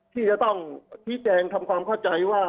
ที่จะต้องพิแจงทำความเข้าใจ